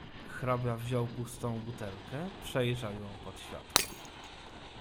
"Hrabia wziął pustą butelkę przejrzał ją pod światło."